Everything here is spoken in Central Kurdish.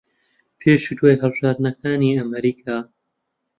پێش و دوای هەڵبژاردنەکانی ئەمریکا